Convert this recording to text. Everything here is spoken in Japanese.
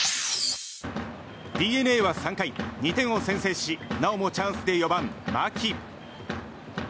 ＤｅＮＡは３回２点を先制しなおもチャンスで４番、牧。